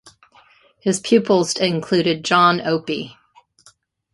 His pupils included John Opie.